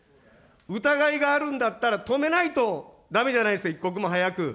疑いがあるんだったら、止めないとだめじゃないですか、一刻も早く。